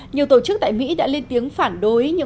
nhiều tổ chức tại mỹ đã lên tiếng phản đối những